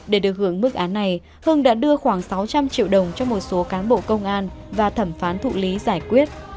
để được hưởng mức án này hưng đã đưa khoảng sáu trăm linh triệu đồng cho một số cán bộ công an và thẩm phán thụ lý giải quyết